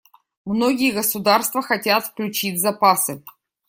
Многие государства хотят включить запасы.